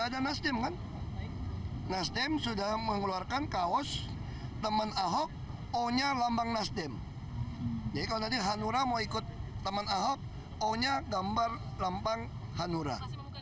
jadi kalau nanti hanura mau ikut teman ahok o nya gambar lambang hanura